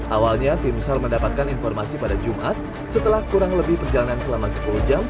awalnya tim sar mendapatkan informasi pada jumat setelah kurang lebih perjalanan selama sepuluh jam